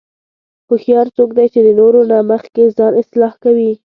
هوښیار څوک دی چې د نورو نه مخکې ځان اصلاح کوي.